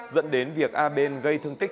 dẫn đến việc a bên gây thương tiếc